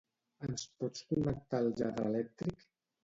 Ens pots connectar el lladre elèctric?